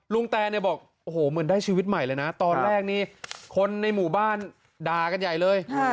แตนเนี่ยบอกโอ้โหเหมือนได้ชีวิตใหม่เลยนะตอนแรกนี่คนในหมู่บ้านด่ากันใหญ่เลย